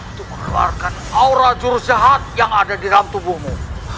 untuk mengeluarkan aura jurus jahat yang ada di dalam tubuhmu